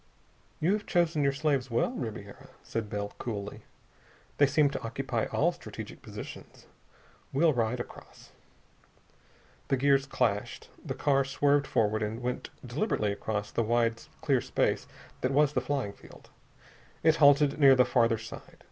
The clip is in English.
"You have chosen your slaves well, Ribiera," said Bell coolly. "They seem to occupy all strategic positions. We'll ride across." The gears clashed. The car swerved forward and went deliberately across the wide clear space that was the flying field. It halted near the farther side.